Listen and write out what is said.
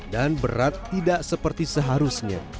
dan berat tidak seperti seharusnya